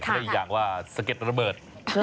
เค้าเรียกอีกอย่างว่าสะเก็ดระเบิด